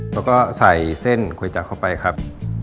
แล้วก็ใส่เส้นก๋วยจักรเข้าไปครับ